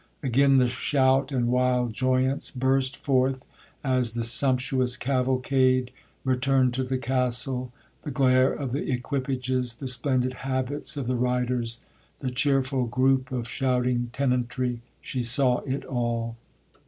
Again the shout and wild joyance burst forth as the sumptuous cavalcade returned to the Castle. The glare of the equipages,—the splendid habits of the riders,—the cheerful groupe of shouting tenantry,—she saw it all!